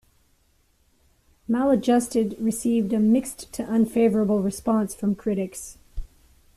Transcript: "Maladjusted" received a mixed-to-unfavourable response from critics.